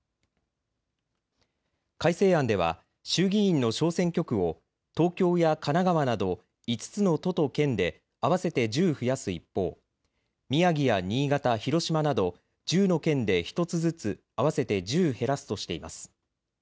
改正案では衆議院の小選挙区を東京や神奈川など５つの都と県で合わせて１０増やす一方、宮城や新潟、広島など１０の県で１つずつ合わせて１０減らすとしています。